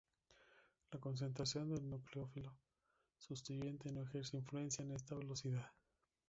La concentración del nucleófilo sustituyente no ejerce influencia en esta velocidad.